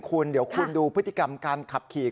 คุณเดี๋ยวคุณดูพฤติกรรมการขับขี่